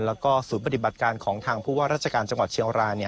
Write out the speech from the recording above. แล้วก็ศูนย์ปฏิบัติการของทางผู้ว่าราชการจังหวัดเชียงราย